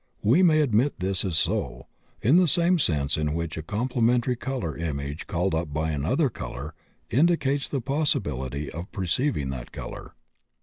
We may admit this is so, in the same sense in which a complementary color image called up by another color indicates the possibility of perceiving that color.